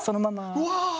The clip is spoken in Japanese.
うわ。